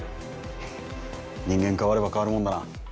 「人間変われば変わるもんだな」